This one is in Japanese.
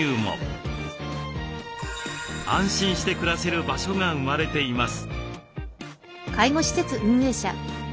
安心して暮らせる場所が生まれています。